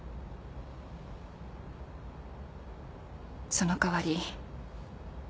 その代わり